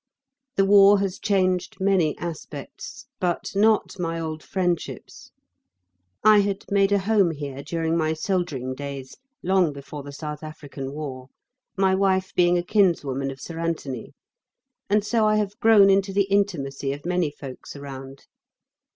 The War has changed many aspects, but not my old friendships. I had made a home here during my soldiering days, long before the South African War, my wife being a kinswoman of Sir Anthony, and so I have grown into the intimacy of many folks around.